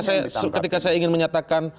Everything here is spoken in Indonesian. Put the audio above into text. jadi sebenarnya ketika saya ingin menyatakan